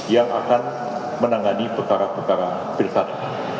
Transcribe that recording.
yang akan menangani perkara perkara pilkada